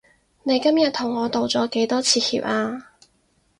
你今日同我道咗幾多次歉啊？